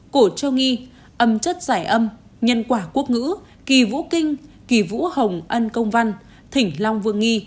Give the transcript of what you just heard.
cổ trô nghi âm chất giải âm nhân quả quốc ngữ kỳ vũ kinh kỳ vũ hồng ân công văn thỉnh long vương nghi